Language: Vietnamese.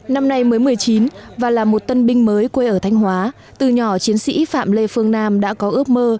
năm nay mới một mươi chín và là một tân binh mới quê ở thanh hóa từ nhỏ chiến sĩ phạm lê phương nam đã có ước mơ